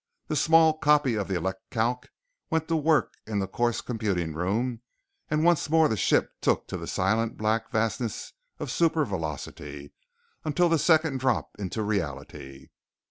The small copy of the Elecalc went to work in the course computing room and once more the ship took to the silent, black vastness of supervelocity until the second drop into reality.